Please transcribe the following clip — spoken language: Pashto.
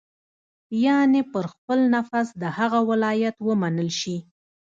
یعنې پر خپل نفس د هغه ولایت ومنل شي.